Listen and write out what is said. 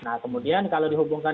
nah kemudian kalau dihubungkan